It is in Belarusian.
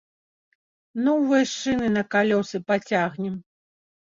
Новыя шыны на калёсы пацягнем!